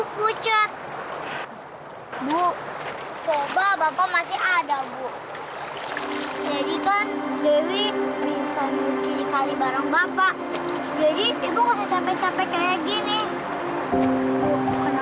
kenapa sih bapak meninggal